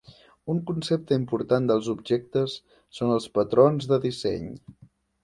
Un concepte important dels objectes són els patrons de disseny.